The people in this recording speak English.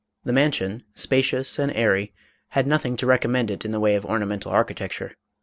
The mansion, spacious and airy, had nothing to recom mend it in the way of ornamental architecture.